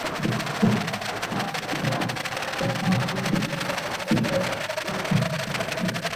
安息香缩合是羰基极性转换的一个典型例子。